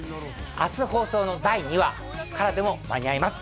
明日放送の第２話からでも間に合います